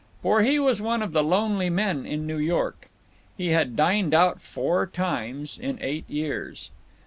For he was one of the lonely men in New York. He had dined out four times in eight years.